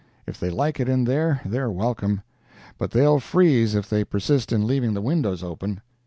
If they like it in there, they're welcome; but they'll freeze if they persist in leaving the windows open.